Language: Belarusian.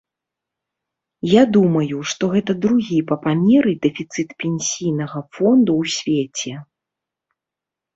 Я думаю, што гэта другі па памеры дэфіцыт пенсійнага фонду ў свеце.